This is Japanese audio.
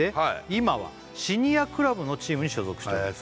「今はシニアクラブのチームに所属しています」